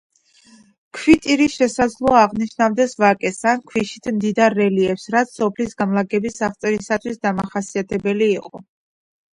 ქვიტირი შესაძლოა აღნიშნავდეს ვაკეს ან ქვიშით მდიდარ რელიეფს, რაც სოფლის განლაგების აღწერისათვის დამახასიათებელი იყო.